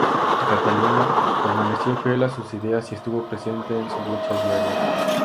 Catalina, permaneció fiel a sus ideas y estuvo presente en sus luchas diarias.